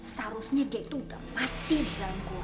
seharusnya dia itu mati di dalam gua